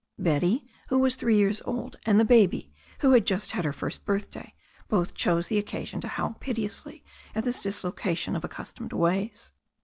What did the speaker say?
Betty, who was three years old, and the baby, who had just had her first birthday, both chose the occasion to howl piteously at this dislocation of accustomed ways.